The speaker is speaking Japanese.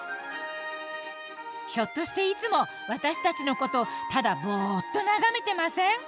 ひょっとしていつも私たちのことをただボーっと眺めてません？